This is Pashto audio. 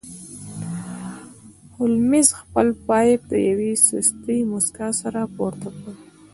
هولمز خپل پایپ د یوې سستې موسکا سره پورته کړ